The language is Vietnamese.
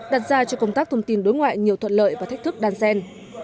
đặt ra cho công tác thông tin đối ngoại nhiều thuận lợi và thách thức đan xen